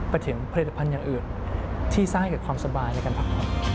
ไปถึงผลิตภัณฑ์อย่างอื่นที่สร้างให้กับความสบายด้วยกันครับ